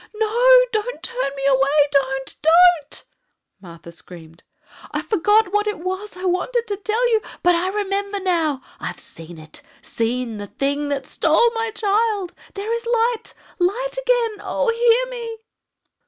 "No! Don't turn me away! Don't! don't!" Martha screamed; "I forgot what it was I wanted to tell you but I remember now. I've seen it! seen the thing that stole my child. There is light light again! Oh! hear me!"